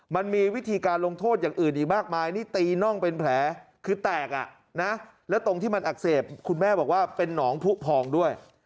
มันมีวิธีการลงโทษอย่างอื่นอีกมากมายนี่ตีน่องเป็นแผลคือแตกอ่ะนะแล้วตรงที่มันอักเสบคุณแม่บอกว่าเป็นหนองผู้พองด้วย